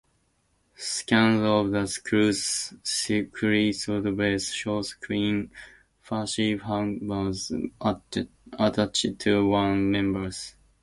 Scans of the crew's cryotubes show a queen facehugger attached to one member.